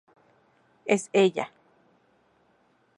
Es ella.